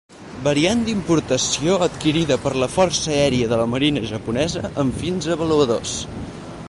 Variant d'importació adquirida per la força aèria de la marina japonesa amb fins avaluadors.